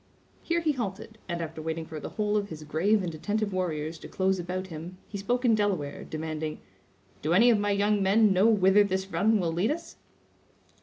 Here he halted, and after waiting for the whole of his grave and attentive warriors to close about him, he spoke in Delaware, demanding: "Do any of my young men know whither this run will lead us?"